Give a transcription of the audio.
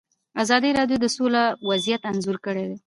ازادي راډیو د سوله وضعیت انځور کړی.